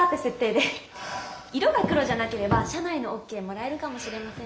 色が黒じゃなければ社内のＯＫもらえるかもしれません。